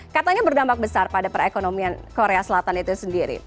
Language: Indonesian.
katanya berdampak besar pada perekonomian korea selatan itu sendiri